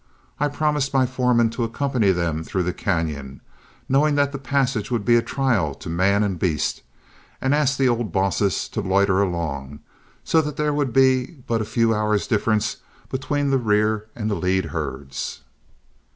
I promised my foremen to accompany them through the cañon, knowing that the passage would be a trial to man and beast, and asked the old bosses to loiter along, so that there would be but a few hours' difference between the rear and lead herds.